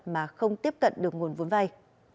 mà không tiếp cận được nguồn vốn vay